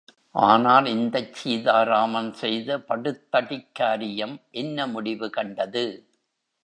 ஆனால் இந்தச் சீதா ராமன் செய்த படுத்தடிக் காரியம் என்ன முடிவு கண்டது?